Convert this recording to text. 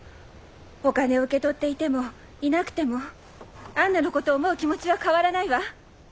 お金を受け取っていてもいなくても杏奈のことを思う気持ちは変わらないわ。